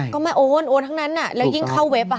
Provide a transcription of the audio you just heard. ก็ไม่โอนโอนทั้งนั้นแล้วยิ่งเข้าเว็บ